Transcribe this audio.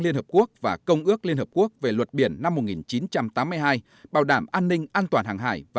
liên hợp quốc và công ước liên hợp quốc về luật biển năm một nghìn chín trăm tám mươi hai bảo đảm an ninh an toàn hàng hải và